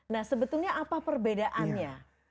nah sebetulnya apa perbedaannya